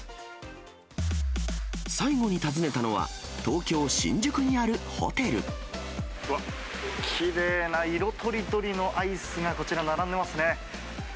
最後に訪ねたのは、うわっ、きれいな色とりどりのアイスがこちら、並んでますね。